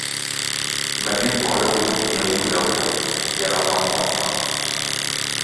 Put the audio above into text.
Me mi mpongʼle wum kie ngywule nwong byala ma mua nwang.